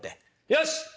よし。